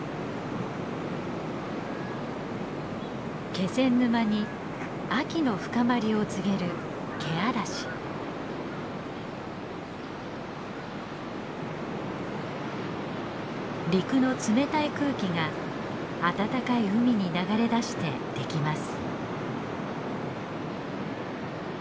気仙沼に秋の深まりを告げる陸の冷たい空気が温かい海に流れ出してできます。